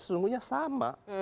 dpr sesungguhnya sama